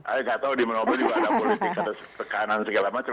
saya tidak tahu di nobel juga ada politik ada sepekanan segala macam